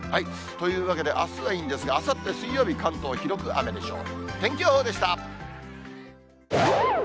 というわけで、あすはいいんですが、あさって水曜日、関東広く雨でしょう。